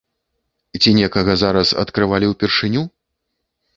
Ці некага зараз адкрывалі ўпершыню?